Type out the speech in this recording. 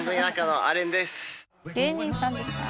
芸人さんですか？